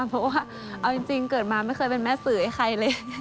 เพราะว่าเอาจริงเกิดมาไม่เคยเป็นแม่สื่อให้ใครเลย